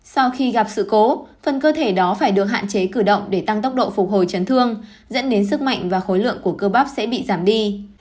sau khi gặp sự cố phần cơ thể đó phải được hạn chế cử động để tăng tốc độ phục hồi chấn thương dẫn đến sức mạnh và khối lượng của cơ bắp sẽ bị giảm đi